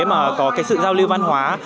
mà có sự giao lưu văn hóa